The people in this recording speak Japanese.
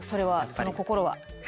その心は？